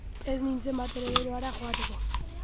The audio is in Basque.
Ez nintzen batere bero hara joateko.